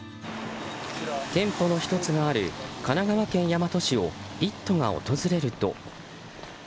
店舗の１つがある神奈川県大和市を「イット！」が訪れると。